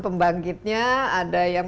pembangkitnya ada yang